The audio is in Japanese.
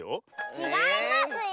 ちがいますよ！